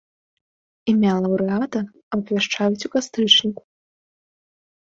Імя лаўрэата абвяшчаюць у кастрычніку.